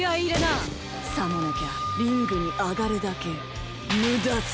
さもなきゃリングにあがるだけムダさ！